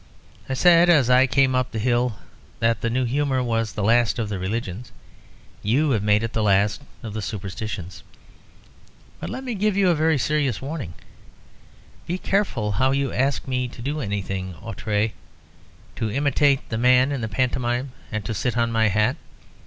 I said as I came up the hill that the new humour was the last of the religions. You have made it the last of the superstitions. But let me give you a very serious warning. Be careful how you ask me to do anything outré, to imitate the man in the pantomime, and to sit on my hat.